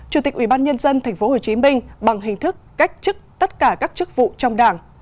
chủ tịch ủy ban nhân dân tp hcm bằng hình thức cách chức tất cả các chức vụ trong đảng